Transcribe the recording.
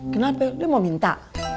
kenapa dia mau minta